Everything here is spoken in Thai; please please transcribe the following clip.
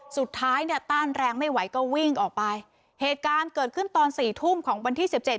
สุดท้ายเนี่ยต้านแรงไม่ไหวก็วิ่งออกไปเหตุการณ์เกิดขึ้นตอนสี่ทุ่มของวันที่สิบเจ็